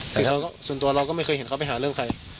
แต่ส่วนตัวเราก็ไม่เคยเห็นเขาไปหาเรื่องใคร